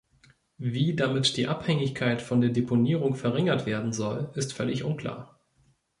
Wie damit die Abhängigkeit von der Deponierung verringert werden soll, ist völlig unklar.